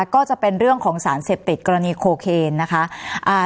ก็จะเป็นเรื่องของสารเสพติดกรณีโคเคนนะคะ